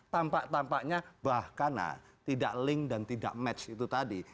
tampak tampaknya bahkan tidak link dan tidak match itu tadi